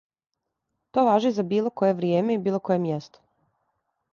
То важи за било које вријеме и било које мјесто.